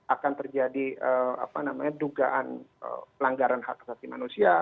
akan terjadi dugaan pelanggaran hak asasi manusia